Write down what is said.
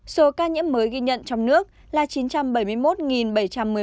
số ca nhiễm mới ghi nhận trong nước là chín trăm bảy mươi một bảy trăm một mươi ca